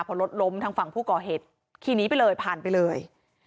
พอรถล้มทางฝั่งผู้ก่อเหตุขี่หนีไปเลยผ่านไปเลย